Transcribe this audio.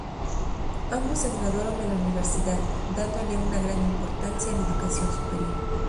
Ambos se graduaron de la universidad, dándole una gran importancia a la educación superior.